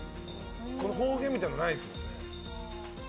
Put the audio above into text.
方言みたいなのないですもんね。